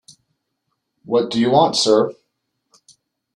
What do you want, sir?